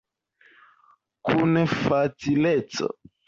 Kun facileco.